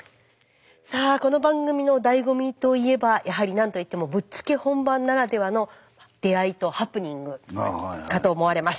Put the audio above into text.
さあこの番組のだいご味といえばやはり何といってもぶっつけ本番ならではの出会いとハプニングかと思われます。